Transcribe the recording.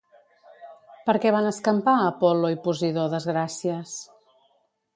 Per què van escampar Apol·lo i Posidó desgràcies?